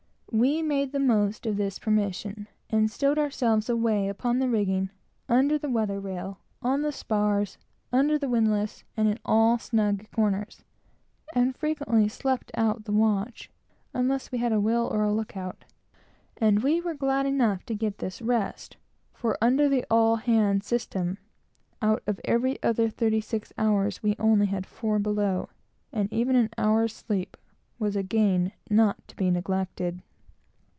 We made the most of this permission, and stowed ourselves away upon the rigging, under the weather rail, on the spars, under the windlass, and in all the snug corners; and frequently slept out the watch, unless we had a wheel or a look out. And we were glad enough to get this rest; for under the "all hands" system, out of every other thirty six hours, we had only four below; and even an hour's sleep was a gain not to be neglected.